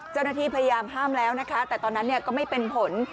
เจ้าหน้าที่พยายามห้ามแล้วนะคะแต่ตอนนั้นก็ไม่เป็นผล